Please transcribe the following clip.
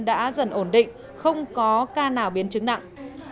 đã dần ổn định không có ca nào biến chứng nặng